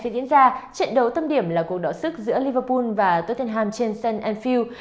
trận đấu tâm điểm là cuộc đỏ sức giữa liverpool và tottenham trên sun field